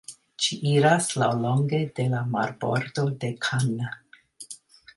Ĝi iras laŭlonge de la marbordo de Cannes.